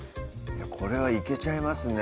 これはいけちゃいますね